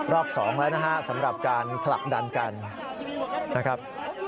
รอบสองแล้วนะครับสำหรับการผลักดันกันนะครับ